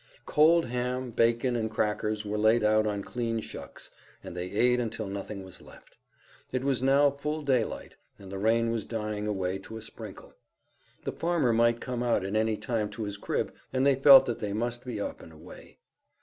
Cold ham, bacon and crackers were laid out on clean shucks, and they ate until nothing was left. It was now full daylight, and the rain was dying away to a sprinkle. The farmer might come out at any time to his crib, and they felt that they must be up and away.